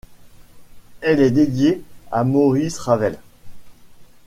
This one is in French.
Elle est dédiée à Maurice Ravel.